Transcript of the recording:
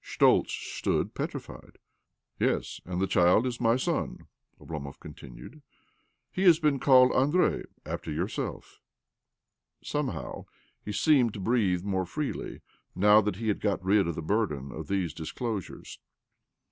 Schtoltz stood petrified. " Yes, and the child is my son," Oblomov continued. " He has been called Andrei after yourself. " Somehow he seemed to breathe more freely now that he had got rid of the burden of these disclosures.